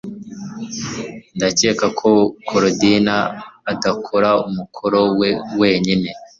Ndakeka ko Korodina adakora umukoro we wenyine